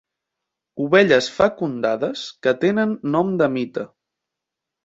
Ovelles fecundades que tenen nom de mite.